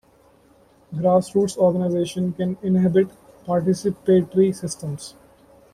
Grassroots organizations can inhabit participatory systems.